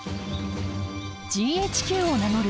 ＧＨＱを名乗る